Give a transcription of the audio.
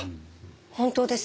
本当です。